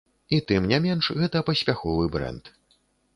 І тым не менш, гэта паспяховы брэнд.